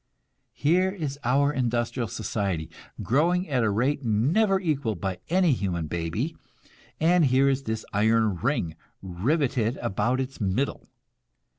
Here is our industrial society, growing at a rate never equalled by any human baby; and here is this iron ring riveted about its middle.